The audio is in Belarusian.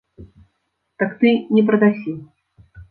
Так ты не прадасі!